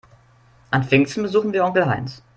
An Pfingsten besuchen wir Onkel Heinz.